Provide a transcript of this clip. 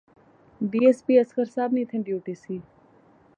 ڈی ایس پی اصغر صاحب نی ایتھیں ڈیوٹی سی